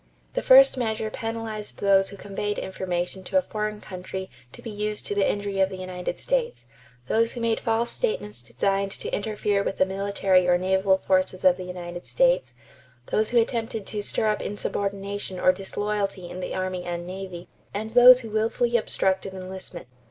The first measure penalized those who conveyed information to a foreign country to be used to the injury of the United States; those who made false statements designed to interfere with the military or naval forces of the United States; those who attempted to stir up insubordination or disloyalty in the army and navy; and those who willfully obstructed enlistment.